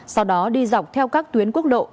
sau đó đi dọc theo các tuyến quốc lộ